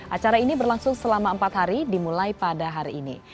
acara ini berlangsung selama empat hari dimulai pada hari ini